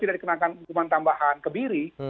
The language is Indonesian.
hukuman tambahan kebiri